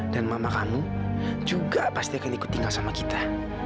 dan mama kamu juga pasti akan ikut tinggal sama kita